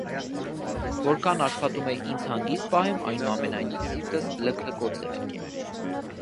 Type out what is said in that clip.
Որքան աշխատում էի ինձ հանգիստ պահեմ, այնուամենայնիվ, սիրտս լքլքոց էր ընկել: